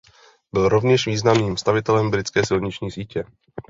Byl rovněž významným stavitelem britské silniční sítě.